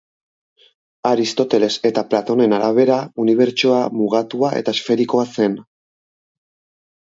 Aristoteles eta Platonen arabera, Unibertsoa mugatua eta esferikoa zen.